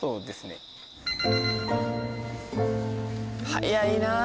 早いなあ。